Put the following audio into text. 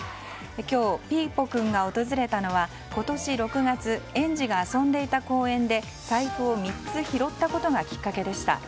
今日、ピーポくんが訪れたのは今年６月園児が遊んでいた公園で財布を３つ拾ったことがきっかけでした。